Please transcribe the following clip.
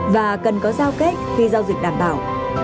và cần có giao kết khi giao dịch đảm bảo